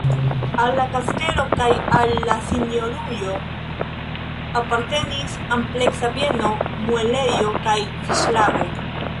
Al la kastelo kaj al la sinjorujo apartenis ampleksa bieno, muelejo kaj fiŝlago.